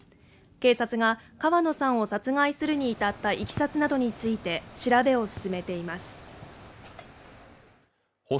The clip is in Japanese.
警察が川野さんを殺害するに至った経緯などについて調べを進めています